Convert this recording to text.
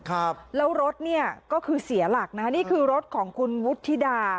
แล้วรถนี้ก็คือเสียหลักนะนี่คือรถของวุฒิทิดาร